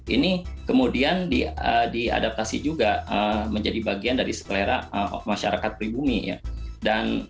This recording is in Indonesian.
ini kemudian diadaptasi juga menjadi bagian dari sekelera masyarakat pribumi ya